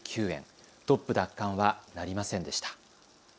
トップ奪還はなりませんでした。